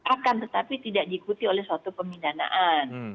akan tetapi tidak diikuti oleh suatu pemidanaan